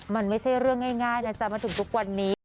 มันไม่ใช่เรื่องง่ายนะจ๊ะมาถึงทุกวันนี้